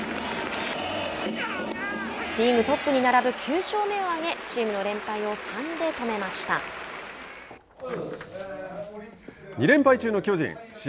リーグトップに並ぶ９勝目をあげ２連敗中の巨人試合